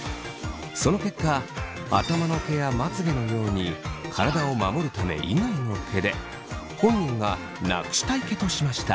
その結果頭の毛やまつげのように体を守るため以外の毛で本人がなくしたい毛としました。